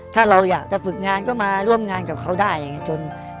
ถ้าเราอยากจะฝึกงานก็มาร่วมงานกับเขาได้อย่างนี้จน